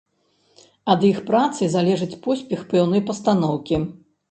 Ад іх працы залежыць поспех пэўнай пастаноўкі.